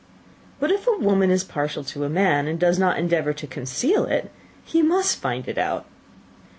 "But if a woman is partial to a man, and does not endeavor to conceal it, he must find it out."